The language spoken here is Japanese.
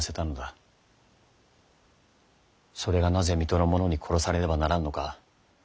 それがなぜ水戸の者に殺されねばならぬのか